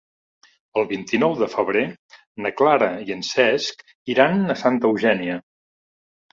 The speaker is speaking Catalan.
El vint-i-nou de febrer na Clara i en Cesc iran a Santa Eugènia.